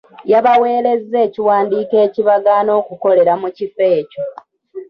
Yabaweereza ekiwandiiko ekibagaana okukolera mu kifo ekyo.